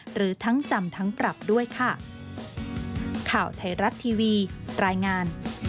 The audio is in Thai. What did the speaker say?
หรือทั้งจำทั้งปรับด้วยค่ะ